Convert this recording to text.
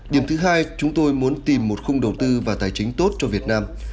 điểm thứ hai chúng tôi muốn tìm một khung đầu tư và tài chính tốt cho việt nam